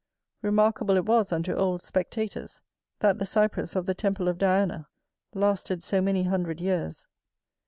Remarkable it was unto old spectators, that the cypress of the temple of Diana lasted so many hundred years.